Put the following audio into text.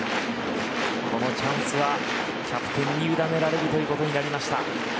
このチャンスはキャプテンに委ねられるということになりました。